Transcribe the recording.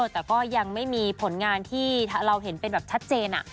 แต่ก็ยังไม่มีผลงานที่เราเห็นเป็นแบบชัดเจน